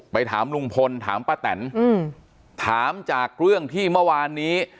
ถามลุงพลถามป้าแตนถามจากเรื่องที่เมื่อวานนี้